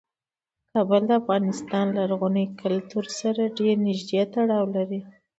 کابل د افغان لرغوني کلتور سره ډیر نږدې تړاو لري.